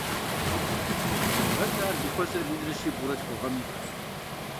Гъэкӏэ ар зыхуэзэр минрэ щибгъурэ тху гъэм ипэщ.